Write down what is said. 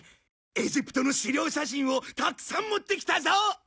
エジプトの資料写真をたくさん持ってきたぞ！